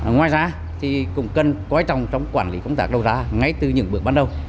ngoài ra thì cũng cần quan trọng trong quản lý công tác đầu ra ngay từ những bước ban đầu